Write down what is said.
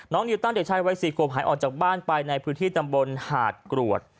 นิวตันเด็กชายวัย๔ขวบหายออกจากบ้านไปในพื้นที่ตำบลหาดกรวด